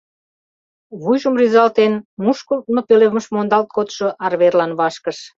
Вуйжым рӱзалтен, мушкылтмо пӧлемыш мондалт кодшо арверлан вашкыш.